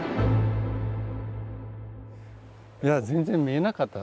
いや全然見えなかった。